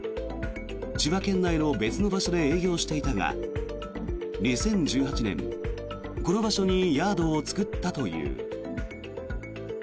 千葉県内の別の場所で営業していたが２０１８年、この場所にヤードを作ったという。